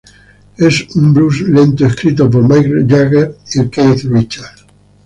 Es un blues lento escrito por Mick Jagger y Keith Richards.